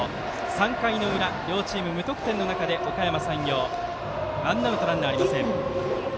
３回の裏、両チーム無得点の中でおかやま山陽ワンアウト、ランナーありません。